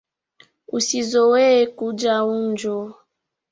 Usizowee kuja unju.